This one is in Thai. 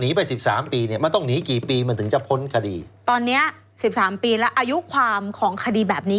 หนีไป๑๓ปีมันต้องหนีกี่ปีมันถึงจะพ้นคดีตอนนี้๑๓ปีแล้วอายุความของคดีแบบนี้